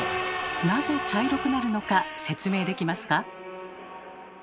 なぜ茶色くなるのか説明できますか？